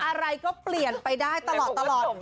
อะไรก็เปลี่ยนไปได้ตลอด